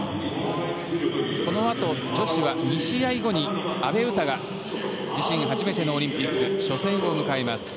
このあと女子は２試合後に阿部詩が自身で初めてのオリンピック初戦を迎えます。